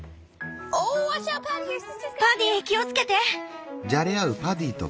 パディ気をつけて！